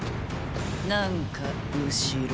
何か後ろ。